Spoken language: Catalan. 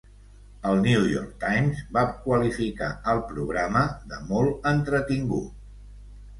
El 'New York Times' va qualificar el programa de "molt entretingut".